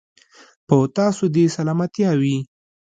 په تاسو دې سلامتيا وي.